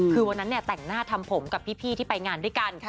คือวันนั้นแต่งหน้าทำผมกับพี่ที่ไปงานด้วยกัน